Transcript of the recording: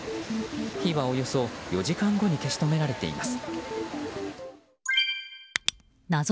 火はおよそ４時間後に消し止められています。